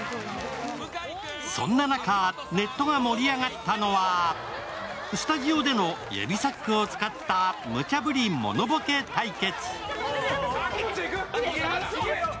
そんな中、ネットが盛り上がったのはスタジオでの指サックを使ったムチャぶりモノボケ対決。